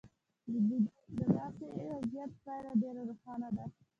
د داسې وضعیت پایله ډېره روښانه ده.